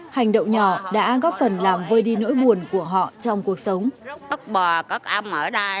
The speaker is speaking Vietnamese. hành động nhỏ đã góp phần làm vơi đi nỗi buồn của họ trong cuộc sống